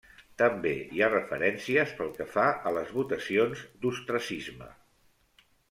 També hi ha referències pel que fa a les votacions d'ostracisme.